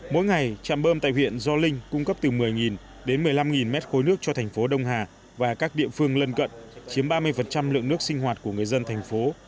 mỗi ngày trạm bơm tại huyện gio linh cung cấp từ một mươi đến một mươi năm mét khối nước cho thành phố đông hà và các địa phương lân cận chiếm ba mươi lượng nước sinh hoạt của người dân thành phố